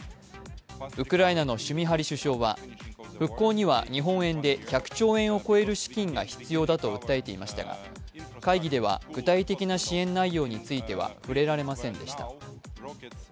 ウクライナのシュミハリ首相は復興には日本円で１００兆円を超える資金が必要だと訴えていましたが会議では具体的な支援内容については触れられませんでした。